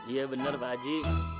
iya bener pak haji